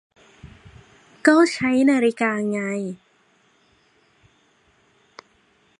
ก็ใช้นาฬิกาไง